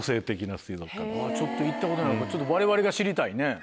ちょっと行ったことないからわれわれが知りたいね。